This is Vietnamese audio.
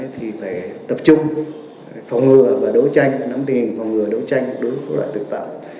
thì phải tập trung phòng ngừa và đấu tranh nắm tình hình phòng ngừa đấu tranh đối với loại tội phạm